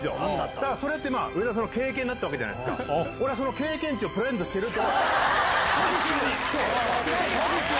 だからそれってまあ、上田さんの経験になったわけじゃないですか、俺はその経験値をプレゼントしてると。